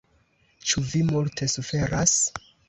Ĉu vi multe suferas?